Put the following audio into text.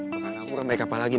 makan aku ramai ke apa lagi